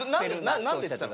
何て言ったの？